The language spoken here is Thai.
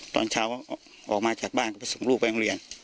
ตอนเช้าออกมาจากบ้านก็ไปส่งลูกไปโรงเรียน